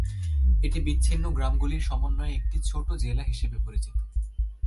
এটি বিচ্ছিন্ন গ্রামগুলির সমন্বয়ে একটি ছোট জেলা হিসেবে পরিচিত।